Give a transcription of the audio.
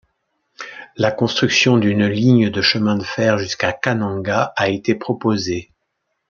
La construction d'une ligne de chemin de fer jusqu'à Kananga a été proposée.